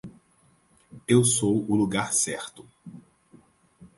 Eu sou o lugar certo.